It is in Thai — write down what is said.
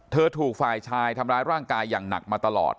ถูกฝ่ายชายทำร้ายร่างกายอย่างหนักมาตลอด